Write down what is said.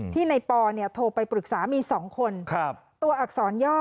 ที่ในปอโทรไปปรึกษามี๒คนตัวอักษรย่อ